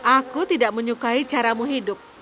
aku tidak menyukai caramu hidup